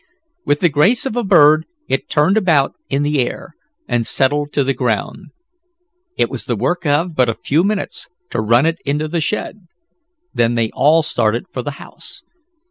With the grace of a bird it turned about in the air, and settled to the ground. It was the work of but a few minutes to run it into the shed. Then they all started for the house.